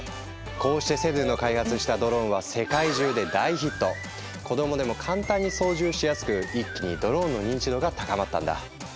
こうしてセドゥの開発したドローンは子供でも簡単に操縦しやすく一気にドローンの認知度が高まったんだ。